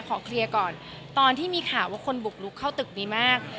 ขอเคลียร์ก่อนตอนที่มีข่าวว่าคนบุกลุกเข้าตึกดีมาก